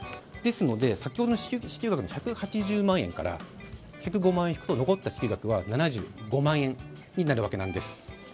ですので先ほどの支給額の１８０万円から１０５万円引くと残った支給額は７５万円になるんです。